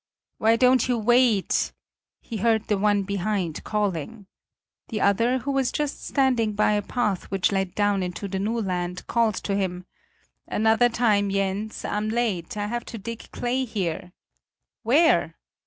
"Why don't you wait!" he heard the one behind calling. The other, who was just standing by a path which led down into the new land, called to him: "Another time, Jens. I'm late; I have to dig clay here." "Where?"